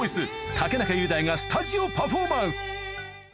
竹中雄大がスタジオパフォーマンス